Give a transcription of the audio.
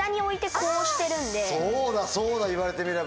そうだそうだ言われてみれば。